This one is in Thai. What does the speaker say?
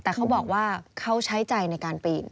แต่เขาบอกว่าเขาใช้ใจในการปีน